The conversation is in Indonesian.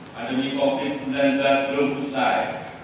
pandemi covid sembilan belas belum usai